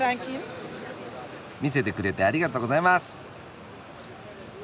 見せてくれてありがとうございます！